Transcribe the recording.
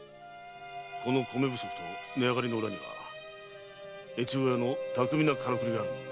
この米不足と値上がりの裏には越後屋の巧みなカラクリがある。